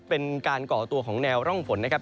ก่อตัวของแนวร่องฝนนะครับ